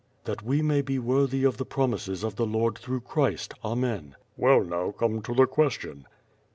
" That we may be worthy of the promises of the Lord through Christ, Amen." "Well, now come to the question."